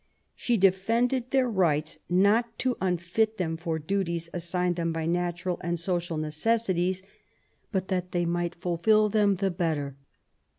She defended their rights, not to unfit them for duties assigned them by natural and social necessities, but that they might fulfil them the better.